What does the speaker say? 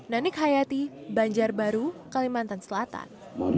nanik hayati banjarbaru kalimantan selatan